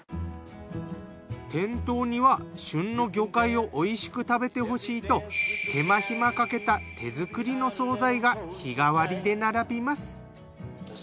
店頭には旬の魚介をおいしく食べてほしいと手間ひまかけた手作りの総菜が日替わりで並びます。